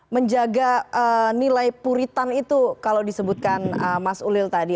menjaga nilai puritan itu kalau disebutkan mas ulil tadi